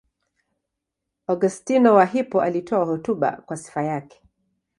Augustino wa Hippo alitoa hotuba kwa sifa yake.